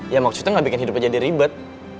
ya maksudnya gak bikin hidupnya jadi ribet